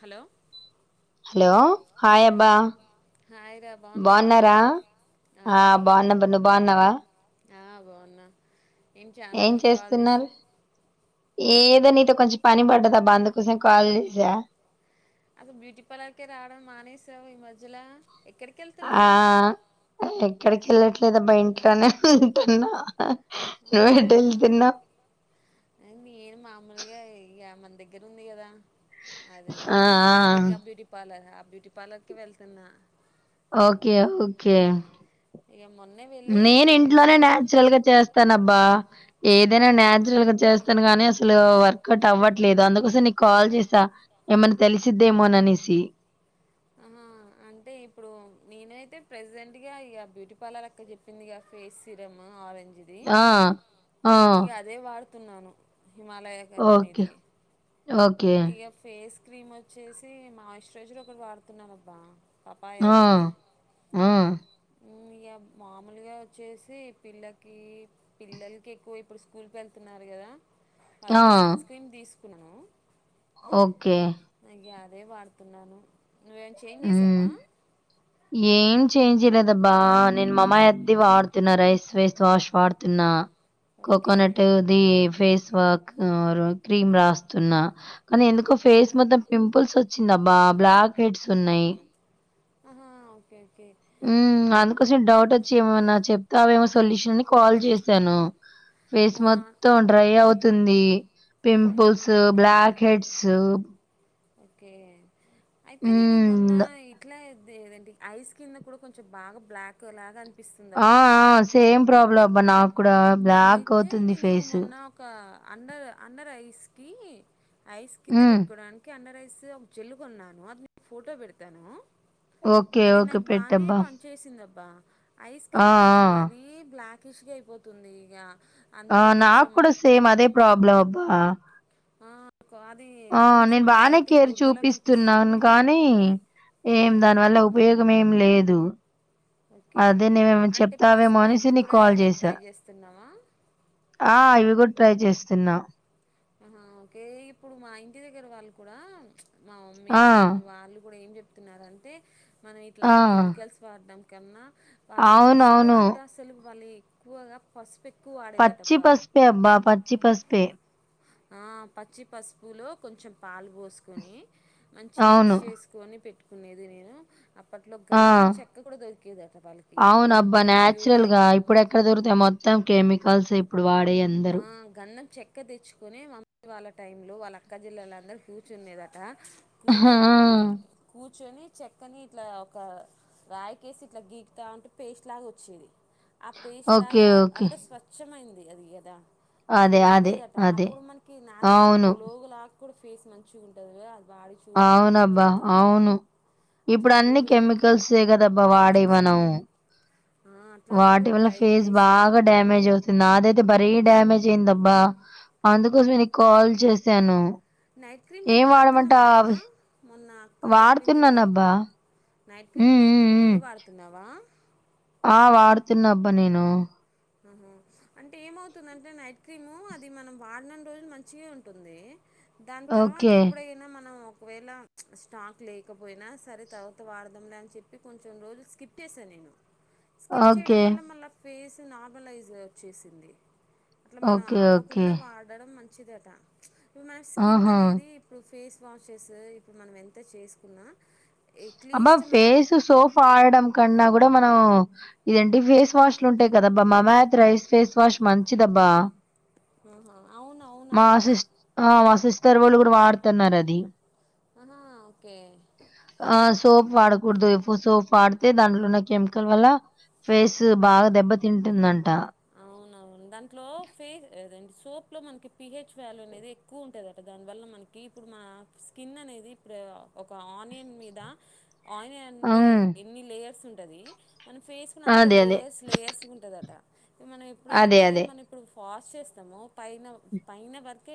Hello hello hi అబ్బా hi రా బాగున్నావా బాగున్నారా ఆ బాగున్నా అబ్బా నువ్వు బాగున్నావా? ఏంటి చాలా రోజులకి కాల్ చేసావ్ ఏ ఇగో నీతో కొంచం పని పడ్డదబ్బ అందుకోసం కాల్ చేసా అది బ్యూటీ పార్లర్కే రావడం మానేసావు ఈ మధ్యలా ఆ ఎక్ ఎక్కడికి ఎళ్ళట్లేదబ్బా ఇంట్లోనే ఉంటున్నా. న్యూ ఆహా [unintelligible] తిన్న అది నేను మామూలుగా ఇక మన దగ్గర ఉంది కదా అదేంటి ఆ, ఆ, Mounika beauty parlour app beauty పార్లర్కి వెళ్తున్నా ఓకే ఓకే ఇక మొన్నే వెళ్ళి నేను ఇది- ఇంట్లోనే నాచురల్ గా చేస్తాన అబ్బా ఏది ఏదైనా నచురల్ గా చేస్తాను గానీ అసలు వర్కౌట్ అవ్వట్లేదు అందుకోసం నీకు కాల్ చేసా ఏమని తెలిసిందేమో అని అనేసి ఆహా అంటే ఇప్పుడు నేనైతే ప్రసెంట్ గా ఇక బ్యూటీ పార్లర్ అక్క చెప్పింది ఇ ఫేస్ సిరమ్ ఆరెంజ్ ఆ ఆ ఇంక అదే వాడుతున్నాను హిమాలయ కంపెనీది కే ఇగ ఫేస్ క్రీమ్ వచ్చేసి మాయిశ్చరైజర్ ఒకటి వాడుతున్నాంబ్బా ఆ ఆ ఇక మామూలుగా వచ్చేసి పిల్లకి పిల్లలకి ఎక్కువ ఇప్పుడు స్కూల్కి వెళ్తున్నారు కదా ఆ! వాళకి సన్ స్క్రీన్ తీసుకు [unintelligible] ఓకే అదే వాడుతున్నాను నువ్వేమి చేంజ్ చేసావా హ్మ్. ఏం చే జయలేదబ్బా నేను మామ్మాయి అద్దది వాడుతున్నా రైస్ ఫేస్ వాష్ వాడుతున్నా ఓకే కోకోనట్ ది ఫేస్ వాక్ క్రీమ్ రాస్తున్నా కానీ ఎందుకో ఫేస్ మొత్తం పింపుల్స్ వచ్చిందబ్బా బ్లాక్ హెడ్స్ ఉన్నాయి ఆహా ఓకే ఓకే అందుకోసం డౌట్ వచ్చి ఏమన్నా చెప్తే అవేమో సొల్యూషన్ అని కాల్ చేశాను ఫేస్ మా మొత్తం డ్రై అవుతుంది ఆహా pimples okay blackheads okay అయితే ఐ స్కిన్ కూడా కొంచెం బాగా బ్లాక్ లాగా ఆ అనిపిస్తుందబ్బా ఆ సేమ్ ప్రాబ్లమ్బ నా అయితే నేను మొన్న ఒక అండర్ అండర్ ఐస్ క ఐస్ కింద హ్మ్. పెట్టుకోవడానికి అండర్ ఐస్ [unintelligible] జల్లు కొన్నాను అది నను ఫోటో పెడతాను ఓకే. అది ఓకే. నాకు బానే పెట్టబ్బా. పని చేసింది అబ్బా అయిస్ ఆ! కింద కొంచెం మరీ ఆ! బ్లాక్ కసుకపో తుంది ఇ గా ఆ నాకు కూడా సేమ్ అదే ప్రాబ్లం అబ్బా ఆ కొ- అది ఆ కొంచెం నేను బానే లైట్ కేర్ దురదలా చూపిస్తున్నాను కనిపిస్తుంది కానీ ఆ, ఏం దానివల్ల ఉపయోగం ఏం లేదు ఓకే అదే నువ్ ఏమైనా అంటే చెప్తావేమో పసుపు అనేసి ఇవి నీకు కూడా కాల్ చేసా ట్రై చేస్తున్నావా ఆ ఇవి కూడా ట్రై చేస్ స్తున్న ఆహా ఓకే ఇప్పుడు మా ఇంటి దగ్గర వాళ్ళు కూడా మా మమ్మీ ఆ! వాళ్ళు వాళ్ళు కూడా ఏం చెప్ చెప్తున్నారంటే మనం ఇట్లా ఆ! కెమికల్స్ వాడ్డం కన్నా వాళ్ళ ఫస్ట్లో అవునవును. అట్ట అసలు వాళ్ళు ఎక్కువగా పసుపెక్ పచ్చి పసుపే అబ్బా పచ్చి పసుపే ఆ పచ్చి పసుపులో కొంచెం పాలు పోసుకొని మంచి మిక్స్ అవును. చేసుకొని పెట్టు కునేది నేను అప్పట్లో గంధం ఆ! చెక్క కూడా దొరికేదట వాళ్ళకి ఇప్పుడు అవునబ్బా! అంత ప్యూర్ నేచురల్‌గా గంధం కల్సే ఇప్ ఆ గంధం చెక్క తెచ్చుకుని మమ్మి వాళ్ళ టైమ్ లో వాళ్ళ అక్క జెల్లెల్లు అందరు కూర్చునేదట ఆ! కూర్చొని కూర్చొని చెక్కని ఇట్లా ఒక రాయికేసి ఇట్లా గీకుతా అంటే పేస్ట్ లాగా వచ్చేది ఆ పేస్ట్ ఓకే. లాగా ఓకే. అంటే స్వచ్ఛమైంది అది యాద్ ద్ద అది అదే. అదే. వాడేదట అదే. అప్పుడు మనకి నాచురల్ అవును. గ్లోగు లాగా కుడు ఫేస్ మంచిగా ఉంటది గదా అవునబ్బా అవును ఇప్పుడు అట్లాంటివి అన్ని కూడా కెమికల్సే కదబ్బా వాడేవి మనం ఆ, అట్లాంటివి వాటి కూడా వల్ల ట్రై ఫేస్ బాగా చేశాను డామేజ్ అవుతుంది నాదే తే భరీ డ్యామేజ్ అయిందబ్బా అందుకోసం నే కాల్ చేశాను నైట్ క్రీమ్ అది ఏం వాడుతున్నావా వాడమంటావు? అబ్బా అవి మొన్న అక్క చెప్పింది కదా వాడుతున్నానబ్బా అప్పుడు నైట్ క్రీమ్ హ్మ్. డే హ్మ్. క్రీమ్ రెండు హ్మ్. వాడుతున్నావా ఆ! వాడుతున్నా అబ్బా నేను అహు అంటే ఏమవుతుందంటే నైట్ క్రీము అది మనం వాడినన్ని రోజులు మంచిగే ఉంటుంది దాని తర్వాత ఓకే. ఎప్పుడైనా మనం ఒ ఒకవేళ స్టాక్ లేకపోయినా సరే తర్వాత వాడ్దాంలే అని చెప్పి కొంచెం రోజులు స్కిప్ చేశా నేను స్కిప్ చేయడం ఓకే. వల్ల మళ్ళా ఫేస్ నార్మలైజ్ వచ్చేసింది అట్లా మనం ఓకే. ఓకే. ఆపకుండా వాడడం మంచి చిధద మన స్కిన్ ఆహా! అనేది ఇప్పు ఫేస్ వాషెస్ ఇప్పుడు మనం ఎంత చేసుకున్నా అమ్మ అట్లీస్ట్ మన ఫేస్ సోఫ్ ఆడడం కన్నా కూడా మనం ఇదెంటి ఫేస్ వాష్ లు ఉంటాయి కదబ్బా మమాత్ రైస్ ఫేస్ వాష్ మంచిదబ్బా ఆహా, అవును మా అవునబ్బా నా సిస్ మా సిస్టర్ వాళ్ళు కూడా వాడుతున్నారు అది దీ ఆహా ఓకే ఆ సోప్ వాడకూడదు ఎక్కువ సోప్ వాడితే దాంట్లో ఉన్న కెమికల్ వల్ల ఫేస్ బాగ దెబ్బతింటుందంట అవునవును దాంట్లో ఫేస్ ఎదన్ సోప్ ఒంట్లో మనకి పిహెచ్ వ్యాల్యూ అనేది ఎక్కువ ఉంటదట దానివల్ల మనకి ఇప్పుడు మన స్కిన్ అనేది ఇప్పుడు ఒక ఆనియన్ మీద ఆనియన్ అంటే హ్మ్. ఎన్ని లేయర్స్ ఉ ఉంటది మన ఫేస్ కూడా అంత అదే. అదే. లేర్స్ లేయర్స్ ఉంటుదట మనం అదే. ఎప్పుడైతే అదే. మన ఇప్పుడు వాస్ చేస్తాము పైన పైన వరకే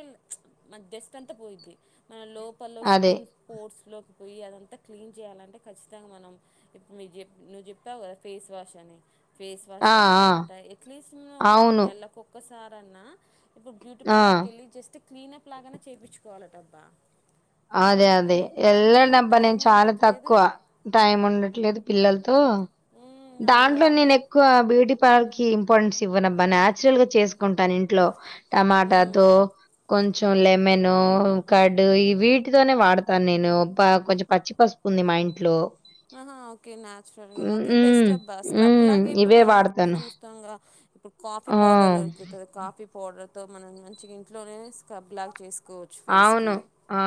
మన డస్ట్ అంతా పోయిద్ది మన లోపల్లో అదే. స్కిన్ పోర్సులో పోయ అదంతా క్లీన్ చేయాలంటే ఖచ్చితంగా మనం ఇప్పుడు చె నువ్వు చెప్పావు కదా ఫేస్ వాష్ అని ఫేస్ వాష్ ఆ! ఆ! వాడాలన్ ఎట్లీస్ట్ ఒక అవును. నెల కొక్క సారన్నా ఇప్పుడు బ్యూటీ ఆ! పార్లర్ కెళ్ళి జస్ట్ క్లీనప్ లాగానే చేపించుకోవాలటబ్బా అదే అదే ఎల్లడు అబ్బా టైం నేను చాలా ఉండట్లేదు తక్కువ టైం ఉండట్లేదు పిల్లల్ అ ఉమ్, దాంట్లో అయ్యా నేను ఎక్కువ బ్యూటీ పార్లర్ ఇంపార్టెన్స్ ఇవ్వనబ్బా న్యాచురల్ గా చేసు ఉంటాను ఇంట్లో టమాటాతో ఉమ్. కొంచెం పోన్లే మెనూ కర్డు ఇవి ఇంటితోనే వాడతాను నేనుబ్బ కొంచెం పచ్చి పసుపు ఉంది మా ఇంట్లో ఆహా ఓకే నాచురల్ గా హ్మ్. అదే హ్మ్. బెస్ట్ అబ్బా స్క్రబ్ హ్మ్. లాగా ఇప్పుడు ఇవే మనం కూడా వాడతాను. చూస్తాము కదా ఇప్పుడు కాఫీ ఆ! పౌడరు ఇక్ కాఫీ పౌడర్ తో మనం మంచి ఇంట్లోనే స్క్రబ్ లాగా చేసి అవును ఆ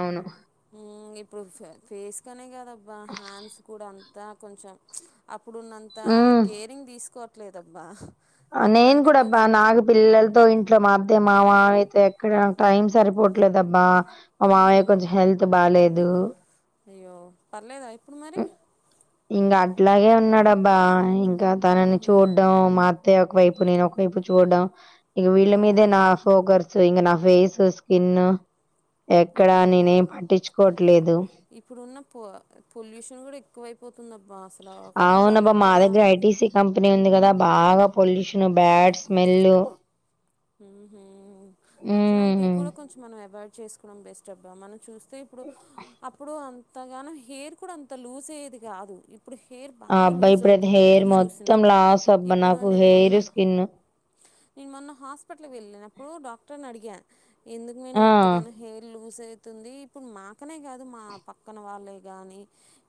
అవును మ్ ఇప్పుడు ఫే ఫేస్ కనే కాదు వా హ్యాండ్స్ కూడా అన్ తా కొంచెం ఇచ్ అప్ ఇప్పుడున్నంత కేరింగ్ తీసుకో లేదబ్బ ఆ నేన్ గుడా బా నాగ్ పిల్లలతో ఇంట్లో మా అయితే మా మావయ్య అయితే ఎక్కడ టైం సరిపోవట్లేదబ్బా మా మావయ్య హ్మ్. కొంచెం హెల్త్ బాలేదు అయ్యో పర్లేదా ఇప్పుడు మరి ఇంకా అట్లాగే ఉన్నాడు బా ఇంకా తనని హుహు. చూడ్డం మా అత్తయ్య ఒకవైపు నేను ఒకవైపు చూడ్డం ఇక వీళ్ళ మీదే నా ఓహో! ఫోకర్సు ఇంగ నా ఫేసు స్కిన్ను అవును అవును ఇప్పుడున్న పొ పొల్యూషన్ కూడా ఎక్కువైపోత్ తుందబ్బా అస్ అవునబ్బా మా దగ్గర ఐటిసి కంప్ కంపెనీ ఉంది కదా బాగా పొల్యూషన్ బ్యాడ్ స్మెలు ఉహు అట్లాంటివి హ్మ్. కూడా కొంచెం మనం అవాయిడ్ చేస్ మనం బెస్ట్ అబ్బా మనం చూస్ తే ఇప్పుడు అప్పుడు అన్ త్త గాను హెయిర్ కూడ అంత లూజ్ అయ్యేది కాదు ఇప్పుడు హెయిర్ ఆ బాగా అబ్బాయి లూజ్ ఇప్పుడైతే అవుతుంది హెయిర్ ఎక్కడ చూసినా మొత్తం లాస్ అబ్బా ఇప్పుడు నాకు నేను హెయిర్, మొన్న స్కిన్. నేను మొన్న హాస్ పిట్లకి వెళ్ళినప్పుడు డాక్టర్ ని అడిగా ఎందుకు మేడం ఆ! ఇంతగాన హెయిర్ లూజు ఏ తుంది ఇప్పుడు మాకనే కాదు మా పక్కన వాళ్ళే గాని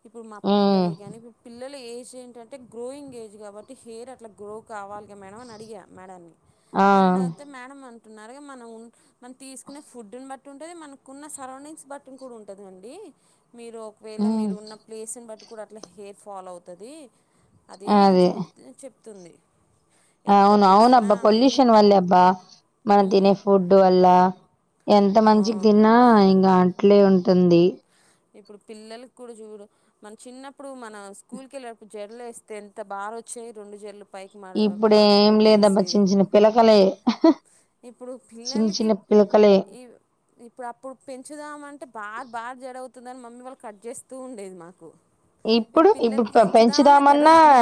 ఇప్పుడు మా హ్మ్. పిల్లలే గాని పిల్లలే ఏ ఏంటంటే గ్రోయింగ్ ఏజ్ కాబట్టి హెయిర్ అట్లా గ్రో కావాలిగా మేడం అని అడిగా మేడంని ఆ మేడం అంటున్నారు మనం మనం తీసుకునే ఫుడ్ ని బట్టి ఉంటది మనకున్న సరౌండింగ్స్ నీ బట్టి కూడా ఉంటదండి మీరు ఒకవేళ హ్మ్. మీరు ఉన్న ప్లేస్ని బట్టి కూడా అట్లా హేర్ ఫాల్ అవుతది అది అని అదే. చెప్తినే చెప్ తుంది అవును అవునబ్బ పొల్యూషన్ వల్లే అబ్బా మనం తినే మ్మ్, ఫుడ్ వల్ల ఎంత ఆ. మంచిగా తిన్నా ఇంగ అట్లే ఉం తుంది ఇప్పుడు పిల్లలకి కూడా జూడు మన చిన్నప్పుడు మన స్కూల్ కి వెళ్లేటపు జడలు వేస్తే ఎంత బారు వచ్చేవి రెండు జడలు పైకి మడ మడత ఇప్పుడేం పెట్టి లేదు అబ్బా వేసేది చిన్న చిన్న పిలకలే ఇప్పుడు చిన్న పిల్లలకి చిన్న పిలకలే ఈ ఇప్పుడు అప్పుడు పెంచుదామంటే బార్ బార్ జడఅవుతుంద్ దని మమ్మీ వాళ్ళు కట్ చేస్తూ ఉండేది మాకు ఇవి ఇప్పుడు పిల్లలు ఇప్పుడు పెంచుదామన్నా జరగట్లే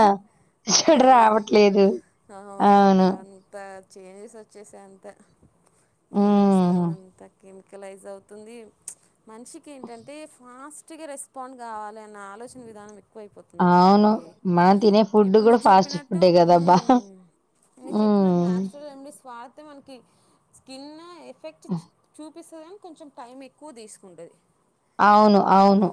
ఆ, జడ రావట్లేదు అవునబ్బా అవును అంత చేంజెస్ అచ్ వచ్చేసాయి అంత ఏం చేస్తాం ఉమ్ అంతాకిన్ ఎలకలైజ్ అవుతుంది ప్లిచ్ మనిషికి ఏంటంటే ఫాస్ట్ ట్టిగా రెస్పాండ్ కావలె అన్న ఆలోచన విధానామే తక్కువై పోతుందిబ్బా అవును మనకి మనం తినే ఫుడ్ ఇప్పుడు కూడా నువ్వు ఫాస్ట్ చెప్పినట్టు ఫుడ్డే కదబ్బా ఉహ్ నువ్వు చెప్పినట్టు ఉమ్ న్యాచురల్ రెమెడీస్ ఐతే మనకి స్కిన్ ఎ ఎఫెక్ట్ చూపిస్తదా కొంచెం టైం ఎక్కువ తీసుకుంటది అవును అవును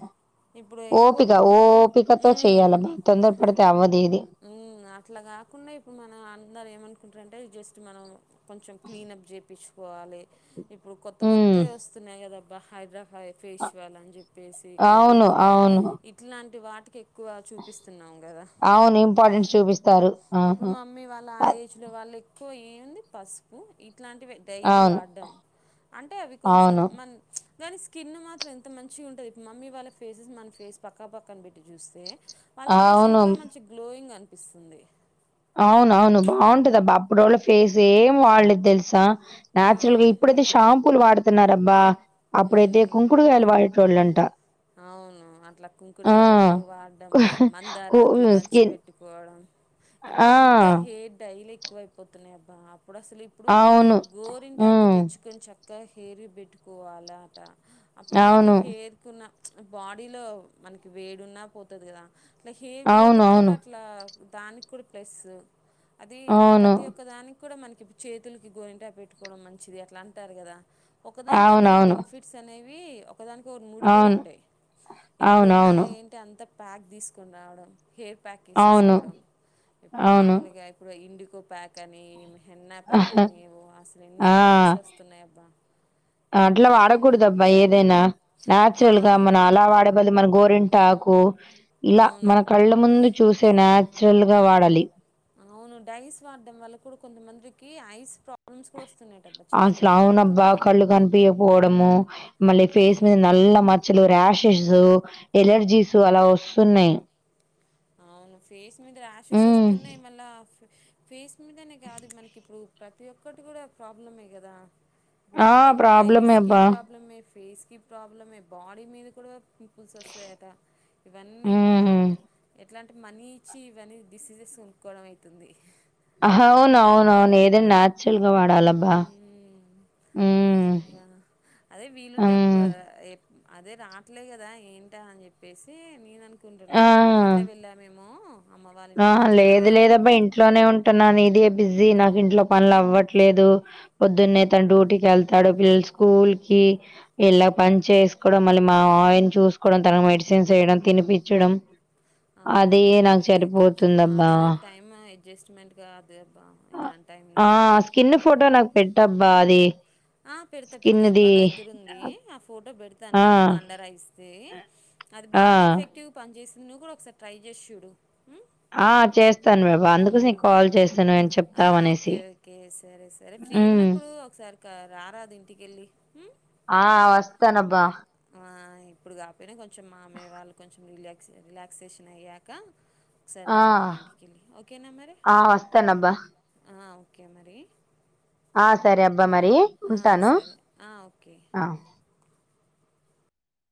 ఇప్పుడు ఎక్కువ ఓపిక కా ఓపికతో చెయ్యాలబ్బా తొందర పడితే అవ్వదు ఇది ఉమ్మ్ అట్లా కాకుండా ఇప్పుడు మన అందరం ఏమనుకుంటారంటె టే జస్ట్ మనం కొంచెం క్లీన్అప్ చెప్ పిచ్చుకోవాలి ఇప్పుడు కొత్త ఉమ్ కొత్తయి వస్తున్నాయి కదా అబ్ ఆ హైద్రబా హై ఫేషియల్ అని చెప్పేసి అవును. కొరియన్ ఫే అవును. ఇట్లాంటి వాటి కేక్ ఎక్కువ చూపిస్తున్నాం కదా అవును. ఇంపార్టెన్స్ చూపిస్తారు. ఇప్పుడు ఆహా! మా మమ్మీ వాళ్ళు ఆ అద్ ఏజ్ లో వాళ్ళు ఇప్ పో ఏ వున్ది పసుపు ఇ ట్లాంటివే డైలీ అవును. వాడ్డం అంటే అవి కొంచెం అవును. మన కాని స్కిన్ మాత్రం ఎంత మంచి ఉంటంది ఇప్పుడు మమ్మీ వాళ్ళ ఫేసెస్ మన ఫేస్ పక్క పక్కన పెట్టి చూస్తే వాళ్ళ ఫేస్ అవును. ఇంకా మంచి గ్లోయింగ్ అనిపి ఇస్తుంది అవును అవును బావుంటది అబ్బా అప్పుడోళ్ళా ఫేస్ ఏం వాళ్లేేది తెలుసా ఆ నాచురల్ వి ఉమ్ ఇప్పుడైతే షాంపూలు వాడు తున్నారు అబ్బా అప్పుడైతే కుంకడుగాయలు వాడె టోల్ళంట అవును అట్ల కుంకుడుగాయలు వాడ్డం కు మందారాకు దంచి స్కిన్ పెట్టుకోవడం ఇప్పుడు ఆ! అంత హేర్ డైలే ఎక్కువైపోతున్నాయి అబ్బా అప్ ఇప్పుడు అసలు ఇప్పుడు అవును. గోరింటాకు హ్మ్. తెచ్చుకొని చక్క గా హేర్ కి బెట్టుకోవాలట అప్పుడు మనకి అవును. హేర్ కి ఉన్న బాడీలో మనకి వేడున్నా పోతది కదా అట్లా హెయిర్ గ్రోత్ కూడా అవునవును. అట్లా దానికి కూడా ప్లస్ అది అవును. ప్రతి ఒక్క దానికి అది కూడా మనకి చేతులకి గోరింటాకు పెట్టుకోవడం మంచిది అట్లా అంటారు కదా ఒకదానితో ఒకటి అవునవును. బెనిఫిట్స్ అనే వీ ఒకదానికి ఒటి ముడిపడి అవును. ఉంది ఇప్పుడున్నది అవునవును. ఏంటి అంత ప్యాక్ తీసుకుని రావడం హెయిర్ ప్యాక్ అవును. అవును. ఏసేసుకోవడం ఇప్పుడు అవును అవును అవును మామూలుగా ఇప్పుడు ఇండి కో ప్యాక్ అని హెన్నా ప్యాక్ ఆహా అని ఏవో అసలు ఎన్ని ఆ డైస్ వస్తున్నాయి అబ్బా అట్లా ఏమోని వాడకూడదు అబ్బా ఏదైనా నా ఆ, చురల్ గా మన అలా వాడే బదులు మన గోరింటాకు ఇలా అవును మన కళ్ళ ముందు చూసే ఇప్పుడు నాచురల్ గా వాడాలి కి ఐస్ ప్రా అసలవునబ్బా కూడా కళ్ళు కనిపియకపోవడము మళ్ళీ ఫేస్ అవును మీద నల్ల మచ్చలు ర్యాష్ జ్ ఎలర్జీసు అలా వస్తున్నాయి అవును ఫేస్ మీద హ్మ్. ర్యాషెసొస్తున్నాయి మళ్ళా ఫేస్ మీదనే కాదు మనకి ఇప్పుడు ప్రతి ఒక్కటి కూడా ప్రాబ్లమే కదా ఇప్పుడు ఆ! హై ఐస్ ప్రాబ్లమే కి అబ్బా! ప్రాబ్లమే ఫేస్కి ప్రాబ్లమే బాడీ మీద కూడా పింపుల్స్ వస్తాయట ఇవన్నీ ఇగ హ్మ్. ఇలాంటి మనీ ఇచ్చి ఇవన్నీ డిసీజెస్ కొనుక్కోవడం అయితుంది అవును అవును అవును ఏదన్నాచ్చ్ చిల్గవాడాలబ్బా ఉమ్ ఉమ్ అదేబ్బా అదే అమ్ అట్లే కదా ఏంటా అని చెప్పేసి నేనను కుంటున్నా ఊరిగిట్లా వెళ్ళామేమో అమ్మ వాళ్ళ అహ ఇంటికి ఇట్లా లేదు లేదబ్బా ఇంట్లోనే ఉంటున్నాను ఇది బిజీ నాకు ఇంట్లో పనులు అవ్వట్లేదు పొద్దున్నే తన డ్యూటీకి వెళ్తాడు పిల్లలు స్కూల్కి ఇళ్ళ పని చేసుకోవడం మళ్ళీ మా మామయ్యాను చూసుకోవడం తనకు మెడిసిన్స్ వేయడం తినిపించడం అదే అవునవును నాక్ కొంచెం అదేలే టైమ అడ్జెస్ట్మెంట్ కాదు అబ్బ ఇట్లాంటి టైంలో ఆ! స్కిన్ చ ఫోటో నాకు పెట్టబ్బా! అది ఆ పెడాతా పెడతా అబ్బా స్కిన్‌ది. నా దగ్గర ఉంది ఆ ఫో ఫోటో పె ఆ! వండర్ ఇస్తే అది ఆ! బానే ఎఫెక్టివ్ పని చేసి నువ్వు కూడా ఒకసారి ట్రై చేసి చూడు ఉమ్ ఆ చేస్ పాపా అందుకోసమే ఉమ్. కాల్ చేస్తాను ఆ! చెప్తాం అనేసి ఓకే. ఓకే. సరే. సరే. ఫ్రీ ఉమ్ ఉన్నప్పుడు ఒకసారి క రారాదు ఇంటికెళ్ళి. హ్మ్. ఆ వస్తానబ్ వా ఆ ఇప్పుడు కాపోయినా కొంచెం కొంచెం మామయ్య వాళ్ళు కొంచెం రీలే రిలాక్సేషన్ అయ్యాక ఒకసారి ఆ! రా మరి ఇంటికెళ్ళి ఓకేనా మరి ఆ! వస్తానబ్బా! హా ఓకే మరి ఆ సరే అబ్బా మరి ఆ! ఉంటాను సరే. ఆ! ఓకే. అ